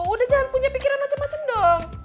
udah jangan punya pikiran macem macem dong